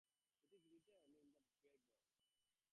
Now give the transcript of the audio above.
It's written in the Bible.